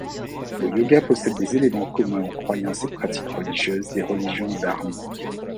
Le yoga possède des éléments communs aux croyances et pratiques religieuses des religions dharmiques.